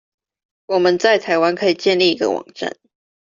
我們在台灣可以建立一個網站